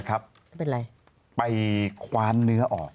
ครับไปรายไปคว้านเนื้อออก